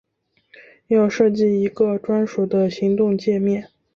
要设计一个专属的行动介面